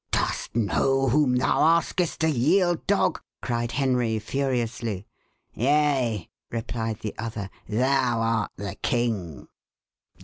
"Dost know whom thou askest to yield, dog?" cried Henry furiously. "Yea," replied the other, "thou art the king!"